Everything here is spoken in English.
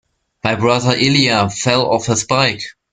My brother Elijah fell off his bike.